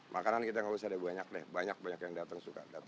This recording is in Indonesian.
makanan kita tidak usah banyak banyak banyak yang datang